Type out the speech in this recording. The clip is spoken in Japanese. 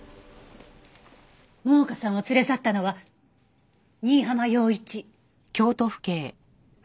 桃香さんを連れ去ったのは新浜陽一。